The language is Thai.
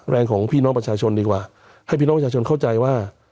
ของพี่น้องประชาชนดีกว่าให้พี่น้องประชาชนเข้าใจว่า